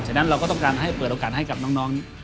ฉะนั้นเราก็ต้องการให้เปิดโอกาสให้กับน้อง